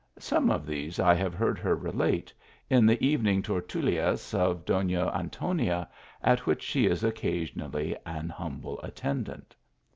Some of these I have heard her relate in the evening tertulias of Doila Antonia, at which she is occasionally an humble at tendant.